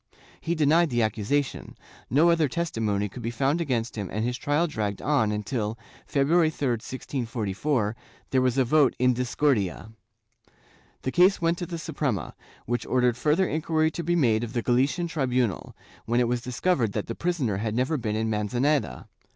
He denied the accusation; no other testimony could be found against him and his trial dragged on until, February 3, 1644, there was a vote in discordia. The case went to the Suprema, which ordered further inquiry to be made of the Galician tribunal, when it was discovered that the prisoner had never been in Manzaneda.